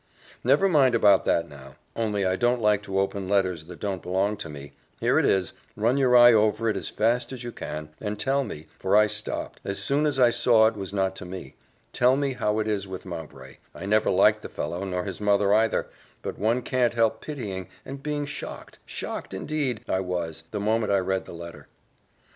Never mind about that now, only I don't like to open letters that don't belong to me here it is run your eye over it as fast as you can, and tell me for I stopped, as soon as I saw it was not to me tell me how it is with Mowbray I never liked the fellow, nor his mother either; but one can't help pitying and being shocked shocked indeed I was, the moment I read the letter."